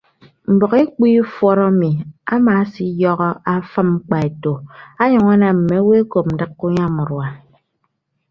Mbʌk ekpu ifọt emi amaasiyọhọ afịm mkpaeto ọnyʌñ anam mme owo ekop ndịk ke unyam urua.